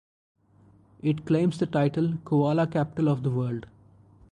It claims the title "Koala Capital of World".